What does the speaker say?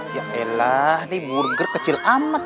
ya elah ini burger kecil amat